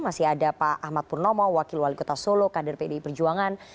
masih ada pak ahmad purnomo wakil wali kota solo kader pdi perjuangan